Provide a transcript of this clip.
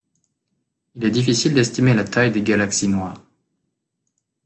Il est difficile d'estimer la taille des galaxies noires.